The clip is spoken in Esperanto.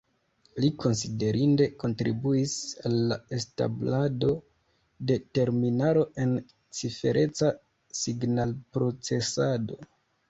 Li konsiderinde kontribuis al la establado de terminaro en cifereca signalprocesado.